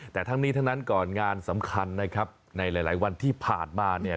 แต่ทั้งนี้ทั้งนั้นก่อนงานสำคัญนะครับในหลายวันที่ผ่านมาเนี่ย